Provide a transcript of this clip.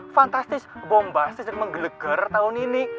fantastis bombastis dan menggelegar tahun ini